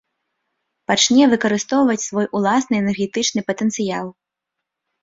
Пачне выкарыстоўваць свой уласны энергетычны патэнцыял.